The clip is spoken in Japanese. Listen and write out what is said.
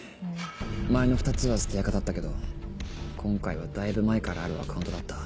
前の２つは捨てアカだったけど今回はだいぶ前からあるアカウントだった。